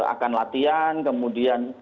akan latihan kemudian